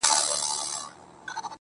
او تاته زما د خپلولو په نيت,